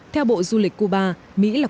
theo bộ du lịch cuba